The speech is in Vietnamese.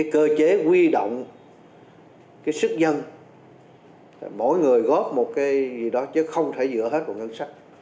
cơ chế huy động sức dân mỗi người góp một cái gì đó chứ không thể dựa hết vào ngân sách